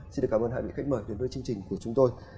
xin được cảm ơn hai vị khách mời đến với chương trình của chúng tôi